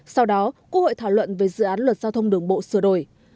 sau đó quốc hội thảo luận về dự án luật giao thông đường bộ sửa đổi